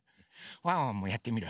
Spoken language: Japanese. ワンワンもやってみる。